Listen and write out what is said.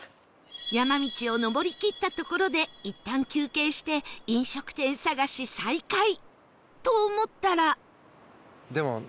山道を登りきったところでいったん休憩して飲食店探し再開！と思ったら